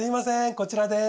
こちらです。